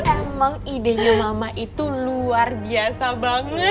emang idenya mama itu luar biasa banget